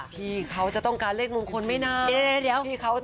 พี่เขาจะต้องการเลขมงคลไหมนะ